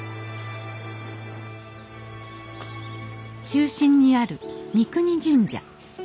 中心にある三國神社。